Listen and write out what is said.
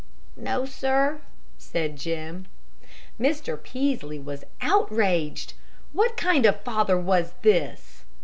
"No, sir," said Jim. Mr. Peaslee was outraged. What kind of a father was this!